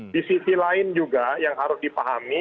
di sisi lain juga yang harus dipahami